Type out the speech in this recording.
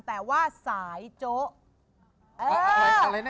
แต่ว่าสายโจ๊ะ